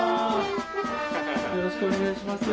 よろしくお願いします。